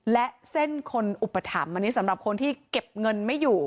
และเส้นคนอุปถัมภ์อันนี้สำหรับคนที่เก็บเงินไม่อยู่